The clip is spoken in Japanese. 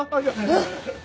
えっ！？